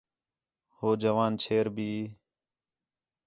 ہو جوان چھیر بھی